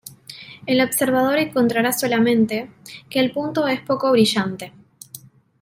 El observador encontrará solamente, que el punto es poco brillante.